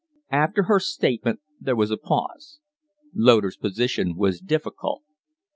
After her statement there was a pause. Loder's position was difficult.